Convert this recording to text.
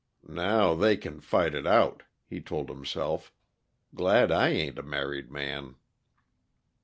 "Now they can fight it out," he told himself. "Glad I ain't a married man!"